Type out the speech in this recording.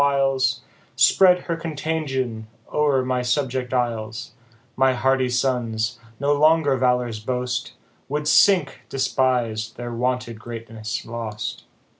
viles, Spread her contagion o'er my subject isles, My hardy sons, no longer valour's boast, Would sink, despis'd, their wonted greatness lost.